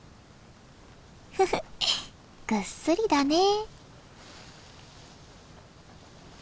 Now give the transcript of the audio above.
フフッぐっすりだね。